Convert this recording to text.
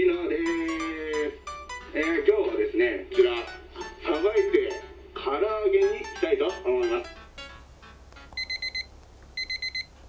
今日はですねこちらさばいてから揚げにしたいと思います」。